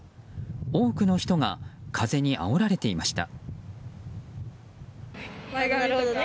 多くの人が風にあおられていました。